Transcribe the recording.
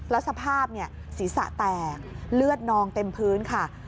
แล้วสภาพศีรษะแตกเลือดนองเต็มพื้นค่ะ